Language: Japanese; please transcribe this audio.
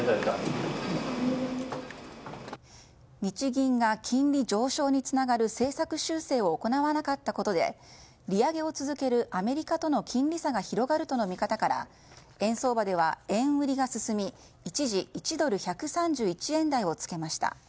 日銀が金利上昇につながる政策修正を行わなかったことで利上げを続けるアメリカとの金利差が広がるとの見方から円相場では円売りが進み一時１ドル＝１３１円台をつけました。